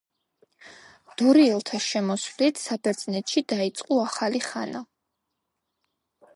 დორიელთა შემოსვლით საბერძნეთში დაიწყო ახალი ხანა.